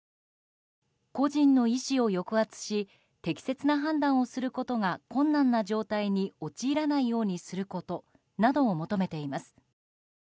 個人の意思を抑圧し適切な判断をすることが困難な状態に陥ることがないようにすることなどを求めています。